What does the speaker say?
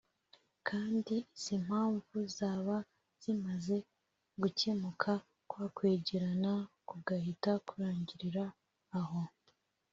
kandi izi mpamvu zaba zimaze gukemuka kwa kwegerana kugahita kurangirira aho